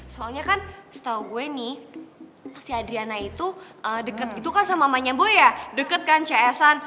soalnya kan setau gue nih si adriana itu deket gitu kan sama mamahnya boy ya deket kan cs an